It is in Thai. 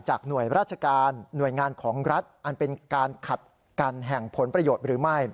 หน่วยราชการหน่วยงานของรัฐอันเป็นการขัดกันแห่งผลประโยชน์หรือไม่